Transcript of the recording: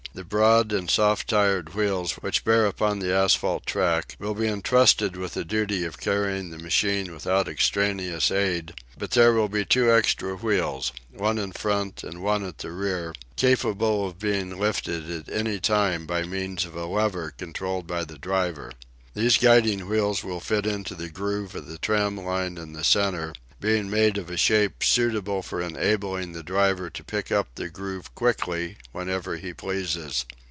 The broad and soft tyred wheels which bear upon the asphalt track will be entrusted with the duty of carrying the machine without extraneous aid; but there will be two extra wheels, one in front and one at the rear, capable of being lifted at any time by means of a lever controlled by the driver. These guiding wheels will fit into the groove of the tram line in the centre, being made of a shape suitable for enabling the driver to pick up the groove quickly whenever he pleases.